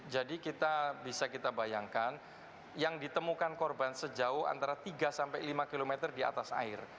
jadi kita bisa kita bayangkan yang ditemukan korban sejauh antara tiga sampai lima km di atas air